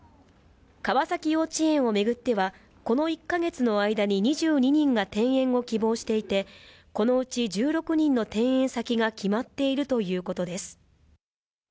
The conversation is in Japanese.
川崎幼稚園をめぐってはこの１か月の間に２２人が転園を希望していてこのうち１６人の転園先が決まっているということです